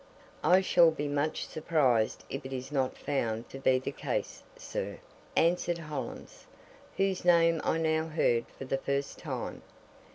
"I shall be much surprised if it is not found to be the case, sir," answered Hollins, whose name I now heard for the first time.